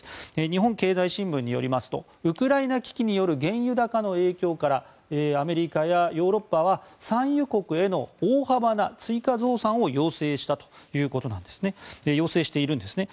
日本経済新聞によりますとウクライナ危機による原油高の影響からアメリカやヨーロッパは産油国への大幅な追加増産を要請しているんですね。